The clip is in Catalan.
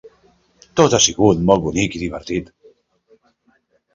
Tot ha sigut molt bonic i divertit.